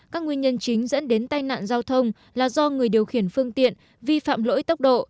các nguyên nhân chính dẫn đến tai nạn giao thông là do người điều khiển phương tiện vi phạm lỗi tốc độ